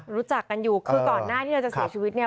รู้จักกันอยู่คือก่อนหน้าที่เธอจะเสียชีวิตเนี่ย